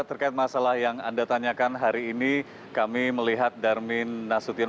terkait masalah yang anda tanyakan hari ini kami melihat darmin nasution